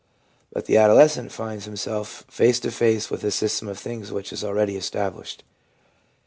But the adolescent finds himself face to face with a system of things which is already established.